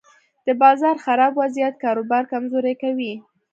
د بازار خراب وضعیت کاروبار کمزوری کوي.